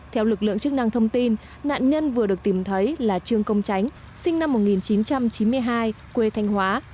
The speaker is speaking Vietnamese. theo lực lượng chức năng thông tin nạn nhân vừa được tìm thấy là trương công tránh sinh năm một nghìn chín trăm chín mươi hai quê thanh hóa